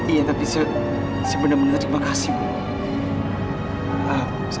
iya tapi sebenarnya terima kasih ibu